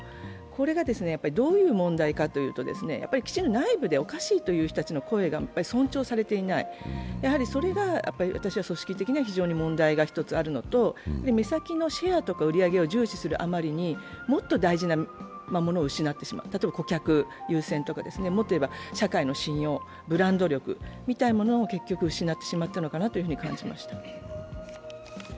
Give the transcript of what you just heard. これがどういう問題かというときちんと内部でおかしいという人の声が尊重されていない、やはりそれが組織的な問題があるというのと、目先のシェアや売り上げを優先するがゆえにもっと大事なものを失ってしまった例えば、顧客優先とか、もっといえば社会の信用、ブランド力みたいなものを結局失ってしまったのかなと思います。